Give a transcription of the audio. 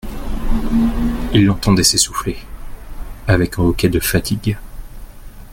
Il l'entendait s'essouffler, avec un hoquet de fatigue.